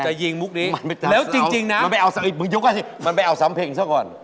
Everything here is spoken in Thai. จะยิงมุ๊คนี้แล้วจริงนะมันไปเอาสัมเกม่กับเจ้าก่อน